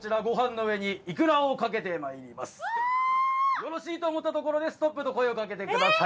よろしいと思ったところでストップと声をかけてください。